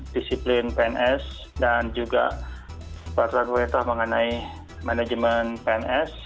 disiplin pns dan juga peraturan pemerintah mengenai manajemen pns